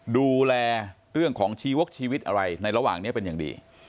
ดูแลเรื่องของชีวกชีวิตอะไรในระหว่างนี้เป็นอย่างดี